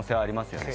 あります。